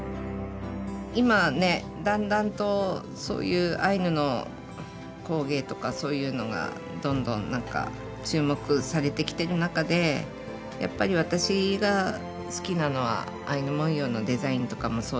今ねだんだんとそういうアイヌの工芸とかそういうのがどんどんなんか注目されてきてる中でやっぱり私が好きなのはアイヌ文様のデザインとかもそうだし。